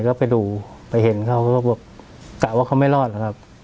แล้วไปดูไปเห็นเขาก็บอกกะว่าเขาไม่รอดหรอกครับ